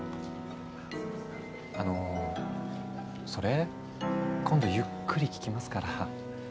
あのそれ今度ゆっくり聞きますから。